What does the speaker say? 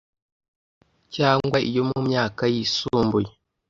cyangwa iyo mu myaka yisumbuye